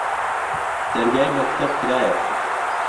دەرگای مەکتەب کرایەوە